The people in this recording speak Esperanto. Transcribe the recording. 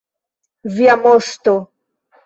Via moŝto!